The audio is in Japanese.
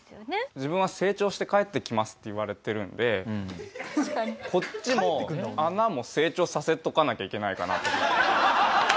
自分は成長して帰ってきますって言われてるんでこっちも穴も成長させとかなきゃいけないかなと思って。